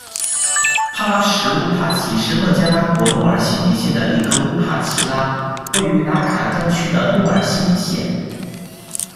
帕拉什乌帕齐拉是孟加拉国诺尔辛迪县的一个乌帕齐拉，位于达卡专区的诺尔辛迪县。